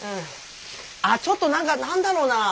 あっちょっとなんか何だろうな。